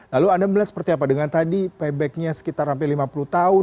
lalu anda melihat seperti apa dengan tadi paybacknya sekitar hampir lima puluh tahun